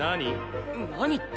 何って。